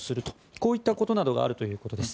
こういったことなどがあるということです。